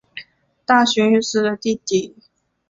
大熊裕司的弟弟。